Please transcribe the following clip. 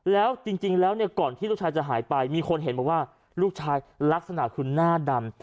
แล้วจริงแล้วเนี่ยก่อนที่ลูกชายจะหายไปมีคนเห็นบอกว่าลูกชายลักษณะคือหน้าดำ